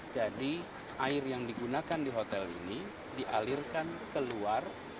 jadi air yang digunakan di hotel ini dialirkan ke luar